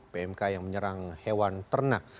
pmk yang menyerang hewan ternak